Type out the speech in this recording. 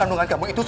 mau berjaya ibu